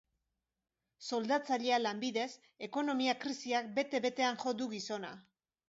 Soldatzailea lanbidez, ekonomia krisiak bete betean jo du gizona.